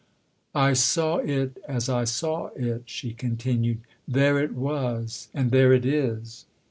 " I saw it as I saw it," she continued :" there it was and there it is.